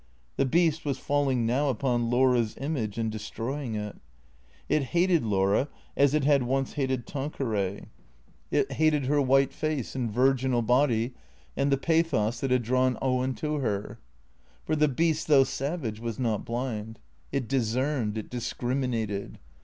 The beast was falling now upon Laura's image and destroy ing it. It hated Laura as it had once hated Tanqueray. It 238 THECKEATORS hated her white face and virginal body and the pathos that had drawn Owen to her. For the beast, though savage, was not blind. It discerned ; it discriminated.